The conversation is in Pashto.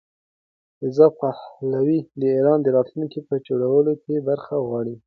رضا پهلوي د ایران د راتلونکي په جوړولو کې برخه غواړي.